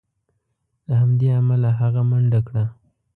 له همدې امله هغه منډه کړه.